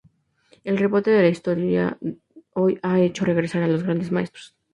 El rebrote de la novela histórica, hoy, ha hecho regresar a los grandes maestros.